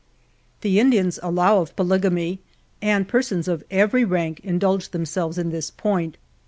The Indians allow of polygamy; and persons of every rank indulge themselves in this point.